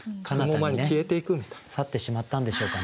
雲間に消えていくみたいな。去ってしまったんでしょうかね。